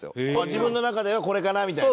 自分の中ではこれかなみたいな。